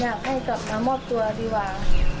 อยากให้กลับมามอบตัวดีกว่า